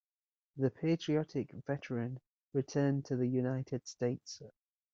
The patriotic veteran returned to the United States.